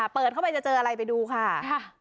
เปิดเข้าไปจะเจออะไรไปดูค่ะ